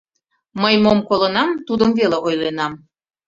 Мый мом колынам, тудым веле ойленам.